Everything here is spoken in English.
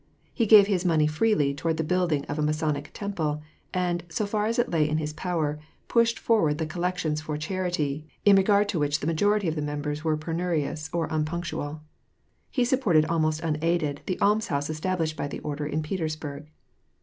He gave his money freely toward the building of a Masonic temple, and, so far as it lay in his power, pushed forward the collections for charity, in regard to which the majority of the members were penurious or unpunctual. He supported almost unaided the almshouse established by the order in Petersburg.